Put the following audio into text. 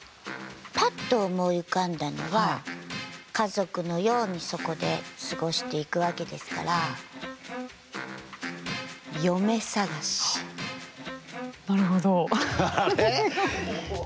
パッと思い浮かんだのは家族のようにそこで過ごしていくわけですからなるほど。